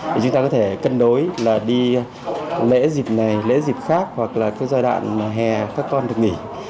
để chúng ta có thể cân đối là đi lễ dịp này lễ dịp khác hoặc là cái giai đoạn hè các con được nghỉ